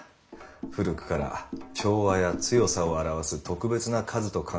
古くから「調和」や「強さ」を表す特別な数と考えられてきた。